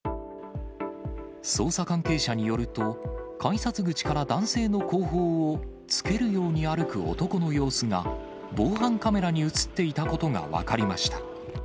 捜査関係者によると、改札口から男性の後方をつけるように歩く男の様子が、防犯カメラに写っていたことが分かりました。